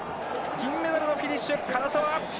銀メダルのフィニッシュ、唐澤。